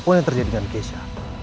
kamu senang banget ya